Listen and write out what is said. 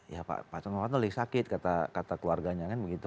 ya pak sunovanto lagi sakit kata keluarganya kan begitu